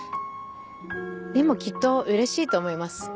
でもきっとうれしいと思います。